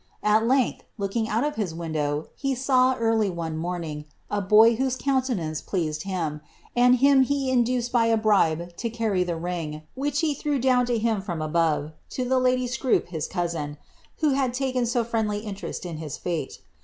At length, looking out of his window, he saw, ly one morning, a boy whose countenance pleased him, and him he uced by a bribe to carry the ring, which he threw down to him from vve, to the lady Scroope, his cousin, who had taken so friendly inte t in his fate.